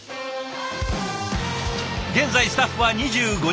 現在スタッフは２５人。